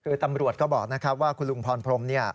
คือตำรวจก็บอกนะครับว่าคุณลุงพรพรมเนี่ย